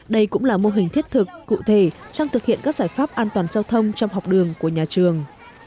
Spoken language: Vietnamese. đây cũng là mô hình thiết thực cụ thể trong thực hiện các giải pháp an toàn giao thông trong học đường của nhà trường